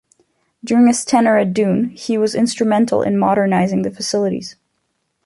During his tenure at Doon, he was instrumental in modernizing the facilities.